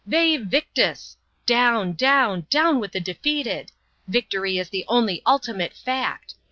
Vae Victis! Down, down, down with the defeated! Victory is the only ultimate fact.